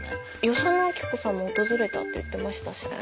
与謝野晶子さんも訪れたって言ってましたしね。